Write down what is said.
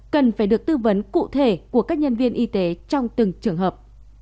cần phải được tư vấn cụ thể của các nhân viên y tế trong từng trường hợp